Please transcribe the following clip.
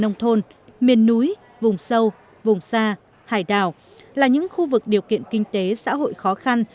những khu vực nông thôn miền núi vùng sâu vùng xa hải đảo là những khu vực điều kiện kinh tế xã hội khó khăn